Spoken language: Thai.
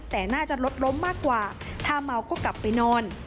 แต่น่าจะรถล้มมากกว่าถ้าเมาก็กลับไปนอน